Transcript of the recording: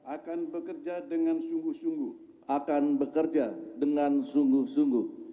akan bekerja dengan sungguh sungguh